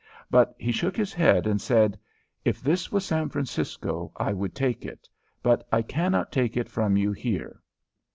But he shook his head and said, "If this was San Francisco, I would take it, but I cannot take it from you here."